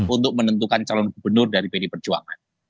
untuk menentukan calon gubernur dari pd perjuangan